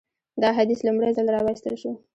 دا حدیث لومړی ځل راوایستل شو.